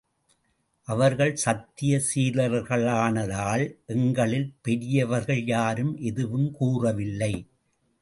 அவர்கள் சத்திய சீலர்களானதால், எங்களில் பெரியவர்கள் யாரும் எதுவும் கூறவில்லை.